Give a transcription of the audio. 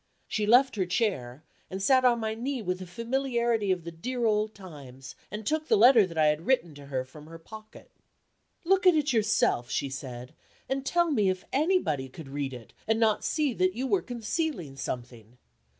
She left her chair, and sat on my knee with the familiarity of the dear old times, and took the letter that I had written to her from her pocket. "Look at it yourself," she said, "and tell me if anybody could read it, and not see that you were concealing something.